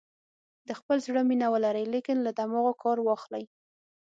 د خپل زړه مینه ولرئ لیکن له دماغو کار واخلئ.